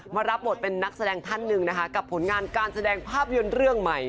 รับบทเป็นนักแสดงท่านหนึ่งนะคะกับผลงานการแสดงภาพยนตร์เรื่องใหม่